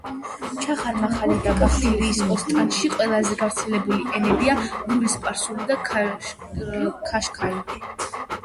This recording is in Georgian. ჩახარ-მახალი და ბახთიარიის ოსტანში ყველაზე გავრცელებული ენებია: ლური, სპარსული და ქაშქაი.